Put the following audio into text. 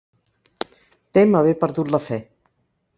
Tem haver perdut la fe.